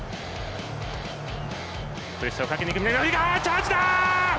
プレッシャーをかけにいく南アフリカ、チャージだ！